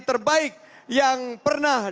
terbaik yang pernah